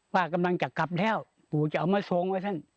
ว่ากำลังจะกลับแล้วปู่จะเอามาทรง